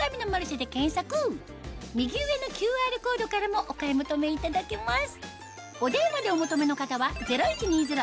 右上のＱＲコードからもお買い求めいただけます